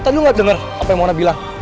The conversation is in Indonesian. tadi lu gak denger apa yang mona bilang